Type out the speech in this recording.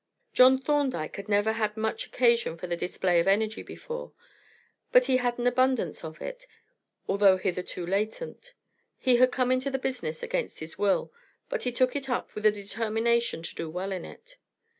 John Thorndyke had never had much occasion for the display of energy before, but he had an abundance of it, although hitherto latent. He had come into this business against his will, but he took it up with a determination to do well in it.